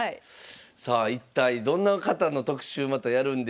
さあ一体どんな方の特集またやるんでしょうか。